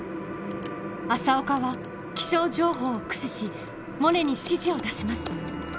朝岡は気象情報を駆使しモネに指示を出します。